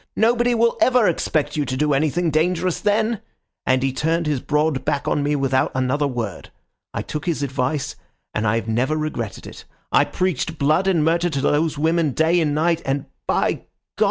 'Nobody will ever expect you to do anything dangerous then.' And he turned his broad back on me without another word. I took his advice, and have never regretted it. I preached blood and murder to those women day and night, and—by God!